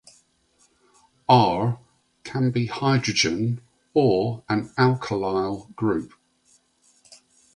R can be hydrogen or an alkyl group.